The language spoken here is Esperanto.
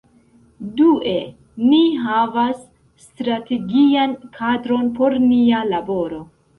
Due, ni havas strategian kadron por nia laboro.